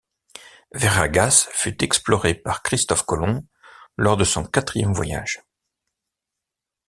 Veraguas fut explorée par Christophe Colomb lors de son quatrième voyage.